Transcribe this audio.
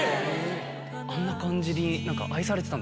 あんな感じに。